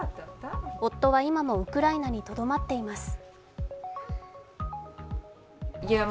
夫は今もウクライナにとどまっています。